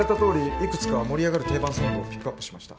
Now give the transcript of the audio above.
いくつか盛り上がる定番ソングをピックアップしました。